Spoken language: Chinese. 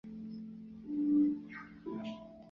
耶尔朱哲和迈尔朱哲出世。